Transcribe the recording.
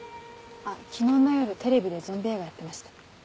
あっ昨日の夜テレビでゾンビ映画やってました。